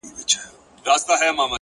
• جنازې دي چي ډېرېږي د خوارانو,